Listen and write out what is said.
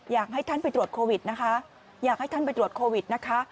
อยากให้ท่านไปตรวจโควิดนะคะ